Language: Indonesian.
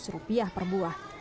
rp lima ratus per buah